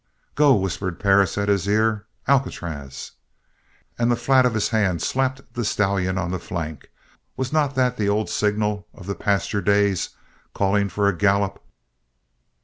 "Go!" whispered Perris at his ear. "Alcatraz!" And the flat of his hand slapped the stallion on the flank. Was not that the old signal out of the pasture days, calling for a gallop?